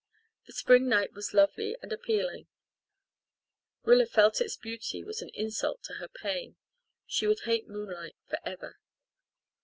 The spring night was lovely and appealing. Rilla felt that its beauty was an insult to her pain. She would hate moonlight for ever.